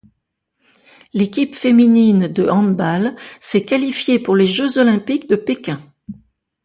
L'équipe féminine de handball s'est qualifiée pour les Jeux olympiques de Pékin.